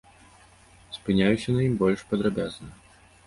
Спынюся на ім больш падрабязна.